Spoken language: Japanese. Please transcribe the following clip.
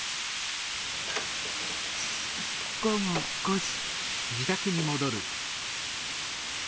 午後５時。